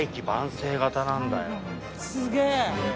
すげえ！